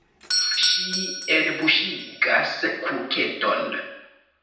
Ŝi enbuŝigas kuketon.